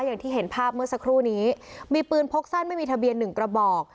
อย่างที่เห็นภาพเมื่อสักครู่นี้มีปืนพกสั้นไม่มีทะเบียนหนึ่งกระบอก